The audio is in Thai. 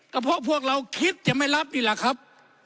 ก็เพราะพวกเราคิดจะไม่รับนี่แหละครับ